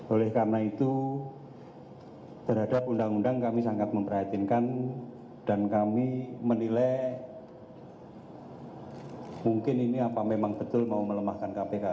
oleh karena itu terhadap undang undang kami sangat memperhatinkan dan kami menilai mungkin ini apa memang betul mau melemahkan kpk